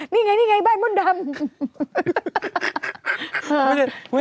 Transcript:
นี่ไงนี่ไงบ้านมดดำ